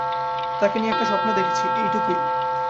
তাকে নিয়ে একটা স্বপ্ন দেখেছি এটুকুই।